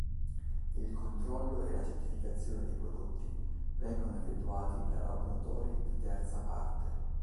Il controllo e la certificazione dei prodotti vengono effettuati da laboratori di terza parte.